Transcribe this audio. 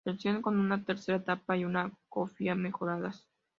Versión con una tercera etapa y una cofia mejoradas.